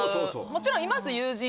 もちろんいます、友人。